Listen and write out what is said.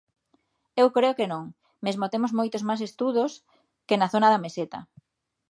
Eu creo que non, mesmo temos moitos máis estudos que na zona da Meseta.